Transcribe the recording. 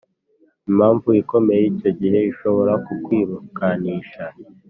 Impamvu ikomeye icyo gihe ishobora kukwirukanisha